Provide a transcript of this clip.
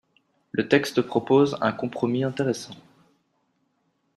Le texte propose un compromis intéressant.